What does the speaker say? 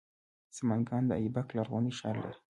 سمنګان د ایبک لرغونی ښار لري